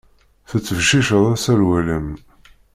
Tettbecciceḍ aserwal-im.